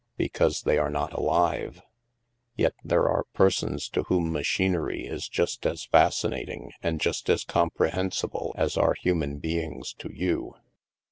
Because they are not alive." Yet there are persons to whom machinery is just as fascinating and just as comprehensible as are human beings to you."